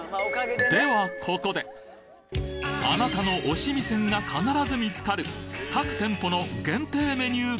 ここであなたの推し味仙が必ず見つかる各店舗の限定メニュー